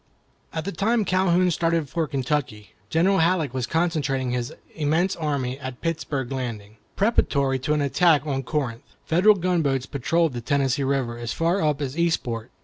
At the time Calhoun started for Kentucky, General Halleck was concentrating his immense army at Pittsburg Landing, preparatory to an attack on Corinth. Federal gunboats patrolled the Tennessee River as far up as Eastport.